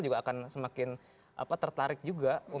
juga akan semakin tertarik juga